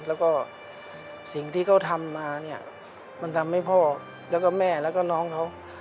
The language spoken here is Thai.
แล้วก็สิ่งที่เขาทำมาเนี่ยมันทำให้พ่อแล้วก็แม่แล้วก็น้องเขา